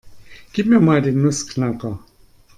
Gib mir mal den Nussknacker.